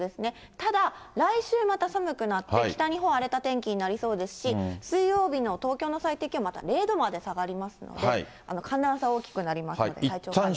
ただ来週また寒くなって、北日本、荒れた天気になりそうですし、水曜日の東京の最低気温、また０度まで下がりますので、寒暖差大きくなりますので、体調管理に。